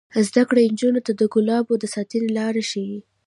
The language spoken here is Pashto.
زده کړه نجونو ته د ګلانو د ساتنې لارې ښيي.